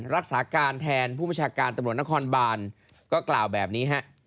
รักษาการแทนผู้บัญชาการตำรวจนครบานก็กล่าวแบบนี้ฮะ